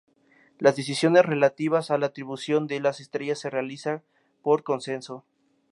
Las decisiones relativas a la atribución de las estrellas se realizan por consenso.